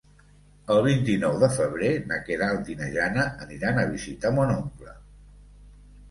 El vint-i-nou de febrer na Queralt i na Jana aniran a visitar mon oncle.